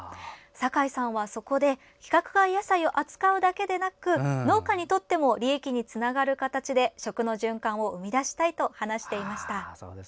堺さんは、そこで規格外野菜を扱うだけでなく農家にとっても利益につながる形で食の循環を生み出したいと話していました。